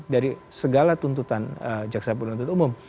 dari segala tuntutan jaksa penuntut umum